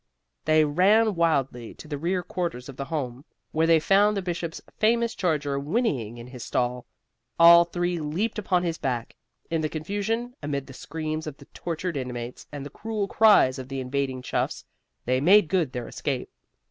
They ran wildly to the rear quarters of the Home, where they found the Bishop's famous charger whinneying in his stall. All three leaped upon his back. In the confusion, amid the screams of the tortured inmates and the cruel cries of the invading chuffs, they made good their escape.